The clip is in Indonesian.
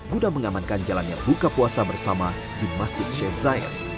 guna mengamankan jalannya buka puasa bersama di masjid syed zain